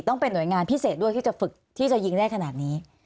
ต้องเป็นห่วยงานพิเศษด้วยที่จะฝึกที่จะยิงได้ขนาดนี้